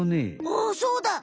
あっそうだ！